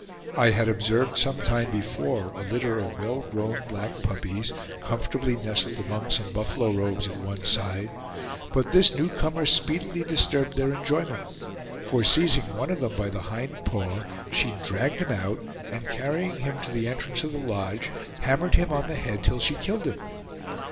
I had observed some time before a litter of well grown black puppies, comfortably nestled among some buffalo robes at one side; but this newcomer speedily disturbed their enjoyment; for seizing one of them by the hind paw, she dragged him out, and carrying him to the entrance of the lodge, hammered him on the head till she killed him.